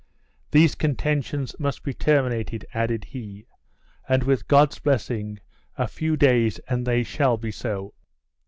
"These contentions must be terminated," added he; "and with God's blessing, a few days and they shall be so!"